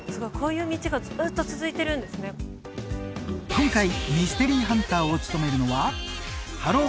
今回ミステリーハンターを務めるのはハロー！